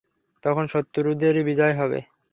তখন শত্রুদেরই বিজয় হবে।